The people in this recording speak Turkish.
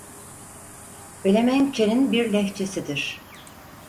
Felemenkçe'nin bir lehçesidir.